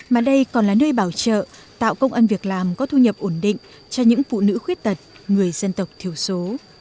mà đây còn là nơi bảo trợ tạo công an việc làm có thu nhập ổn định cho những phụ nữ khuyết tật người dân tộc thiểu số